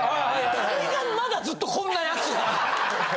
誰がまだずっとこんなやつが。